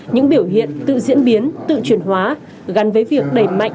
những biểu hiện tự diễn biến tự chuyển hóa gắn với việc đẩy mạnh